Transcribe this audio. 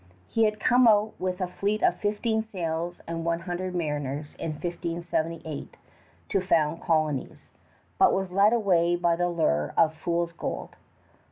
He had come out with a fleet of fifteen sails and one hundred mariners in 1578 to found colonies, but was led away by the lure of "fool's gold."